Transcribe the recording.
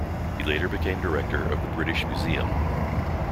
He later became Director of the British Museum.